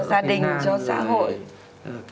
gia đình cho xã hội